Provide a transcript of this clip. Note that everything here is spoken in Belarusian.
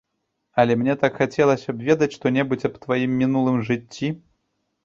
Але мне так хацелася б ведаць, што-небудзь аб тваім мінулым жыцці.